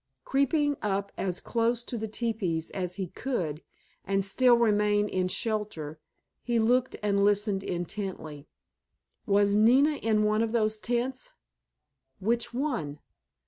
Creeping up as close to the teepees as he could and still remain in shelter he looked and listened intently. Was Nina in one of those tents? Which one?